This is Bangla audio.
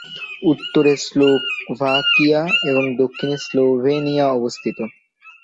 উত্তরে স্লোভাকিয়া এবং দক্ষিণে স্লোভেনিয়া অবস্থিত।